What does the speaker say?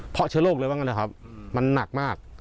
เพราะเชื้อโรคเลยบ้างนะครับมันหนักมาก